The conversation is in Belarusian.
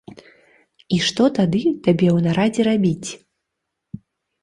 І што тады табе ў нарадзе рабіць?